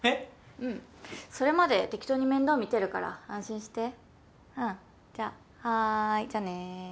うんそれまで適当に面倒見てるから安心してうんじゃあはーいじゃあね